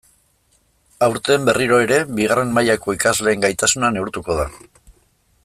Aurten, berriro ere, bigarren mailako ikasleen gaitasuna neurtuko da.